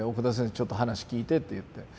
ちょっと話聞いて」って言って。